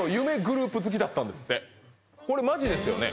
たんこれマジですよね